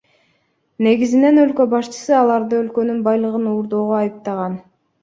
Негизинен өлкө башчысы аларды өлкөнүн байлыгын урдоого айыптаган.